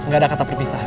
gak ada kata perpisahan